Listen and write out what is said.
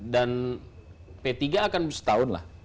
dan p tiga akan setahun lah